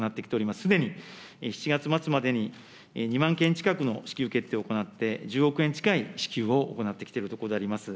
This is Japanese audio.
すでに７月末までに２万件近くの支給決定を行って、１０億円近い支給を行ってきているところであります。